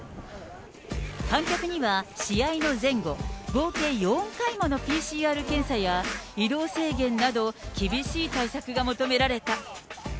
観客には試合の前後、合計４回ものＰＣＲ検査や移動制限など、厳しい対策が求められた。